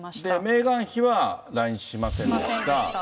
メーガン妃は来日しませんでしたが。